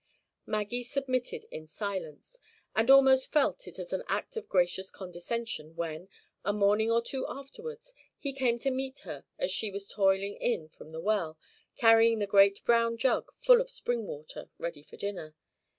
Maggie submitted in silence; and almost felt it as an act of gracious condescension when, a morning or two afterwards, he came to meet her as she was toiling in from the well, carrying the great brown jug full of spring water ready for dinner.